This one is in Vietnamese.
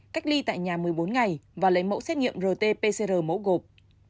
có thể đi tại nhà một mươi bốn ngày và lấy mẫu xét nghiệm rt pcr mẫu gộp